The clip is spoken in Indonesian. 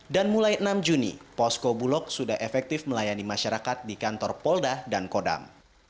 dan mulai enam juni posko bulog sudah efektif melayani masyarakat di kantor polda dan kodam